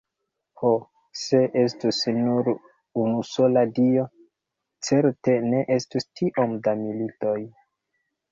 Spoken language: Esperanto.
Ho, se estus nur unusola Dio, certe ne estus tiom da militoj.